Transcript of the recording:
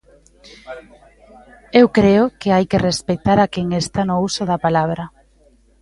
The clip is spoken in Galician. Eu creo que hai que respectar a quen está no uso da palabra.